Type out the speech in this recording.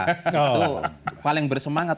itu paling bersemangat